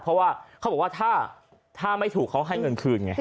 เพราะว่าเขาบอกว่าถ้าไม่ถูกเขาให้เงินคืนไง